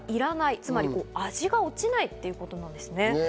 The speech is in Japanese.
つまり味が落ちないということです。